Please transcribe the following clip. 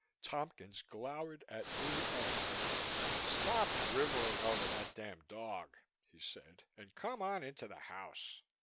Tompkins glowered at me and her. "Stop driveling over that damn dog," he said, "and come on into the house."